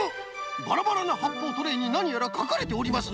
バラバラなはっぽうトレーになにやらかかれておりますな？